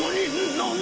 なに！？